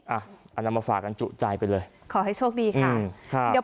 อันนำมาฝากกันจุใจไปเลยขอให้โชคดีค่ะ